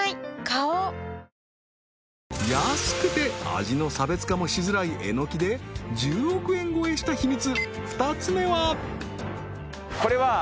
花王安くて味の差別化もしづらいえのきで１０億円超えした秘密